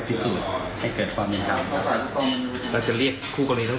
เพื่อให้มีความพอคลุมแล้วก็ชัดเกรนขึ้น